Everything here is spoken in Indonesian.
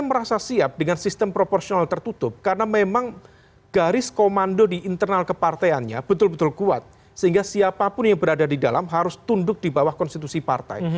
mereka merasa siap dengan sistem proporsional tertutup karena memang garis komando di internal keparteannya betul betul kuat sehingga siapapun yang berada di dalam harus tunduk di bawah konstitusi partai